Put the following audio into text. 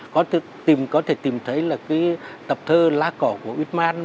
có thể tìm thấy là cái tập thơ la cổ của uyghur